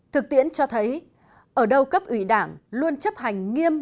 thực tiễn cho thấy ở đâu cấp ủy đảng luôn chấp hành nghiêm